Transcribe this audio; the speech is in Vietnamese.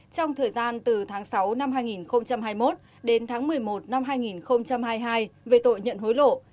trong thời gian từ tháng sáu năm hai nghìn hai mươi một đến tháng một mươi một năm hai nghìn hai mươi hai về tội nhận hối lộ